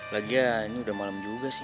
lagian ini udah malam juga sih